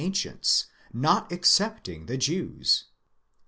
ancients, not excepting the Jews?